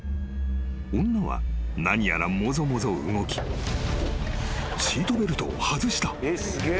［女は何やらもぞもぞ動きシートベルトを外した］